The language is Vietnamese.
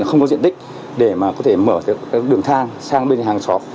không có diện tích để mà có thể mở được các đường thang sang bên nhà hàng xóm